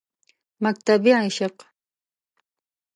مکتبِ عشق